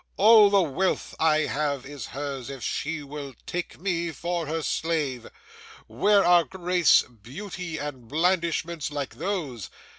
All the wealth I have is hers if she will take me for her slave. Where are grace, beauty, and blandishments, like those?